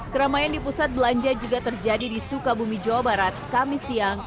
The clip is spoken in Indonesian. keramaian di pusat belanja juga terjadi di sukabumi jawa barat kami siang